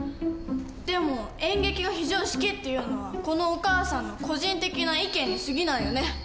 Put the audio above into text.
でも「演劇が非常識」っていうのはこのお母さんの個人的な意見にすぎないよね！